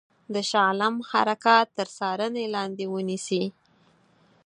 د شاه عالم حرکات تر څارني لاندي ونیسي.